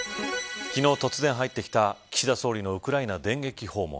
昨日、突然入ってきた岸田総理のウクライナ電撃訪問。